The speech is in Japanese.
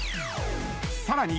［さらに］